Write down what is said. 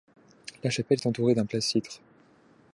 La chapelle est entourée d'un placître.